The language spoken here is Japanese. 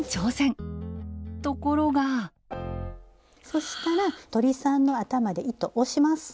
そしたら鳥さんの頭で糸押します！